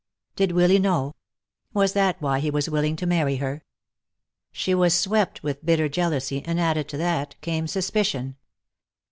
Did Willy know? Was that why he was willing to marry her? She was swept with bitter jealousy, and added to that came suspicion.